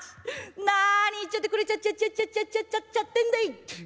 「なに言っちゃってくれちゃっちゃっちゃっちゃっちゃっちゃっちゃってんだい！